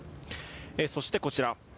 そして、こちら。